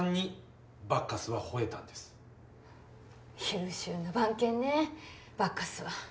優秀な番犬ねバッカスは。